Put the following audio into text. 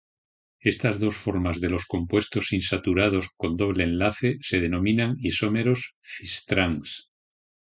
Estas dos formas de los compuestos insaturados con doble enlace se denominan isómeros cis-trans.